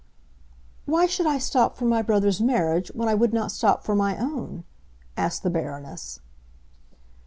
"Why should I stop for my brother's marriage when I would not stop for my own?" asked the Baroness.